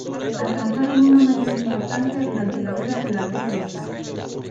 Alcanzaron una mayor importancia durante la Guerra de las Dos Rosas.